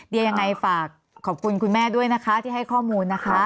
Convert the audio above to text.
เดี๋ยวยังไงฝากขอบคุณคุณแม่ด้วยนะคะที่ให้ข้อมูลนะคะ